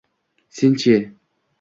Sen-chi?